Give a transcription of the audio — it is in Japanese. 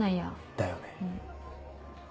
だよね。